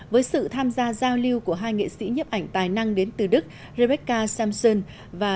với sự tham gia giao lưu của hai nghệ sĩ nhấp ảnh tài năng đến từ đức rebecca samson và